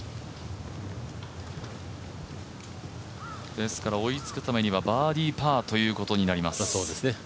ですから、追いつくためにはバーディーパーということになります。